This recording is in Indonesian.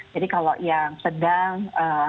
jadi kalau yang sedang